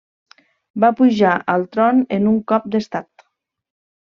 Va pujar al tron en un cop d'estat.